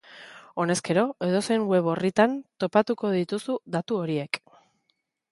Honezkero, edozein web orritan topatuko dituzu datu horiek.